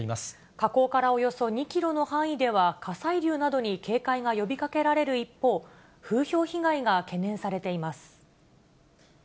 火口からおよそ２キロの範囲では、火砕流などに警戒が呼びかけられる一方、風評被害が懸念されています。